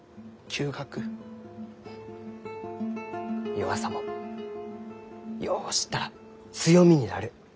弱さもよう知ったら強みになる。